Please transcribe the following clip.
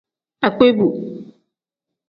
Agbeebu.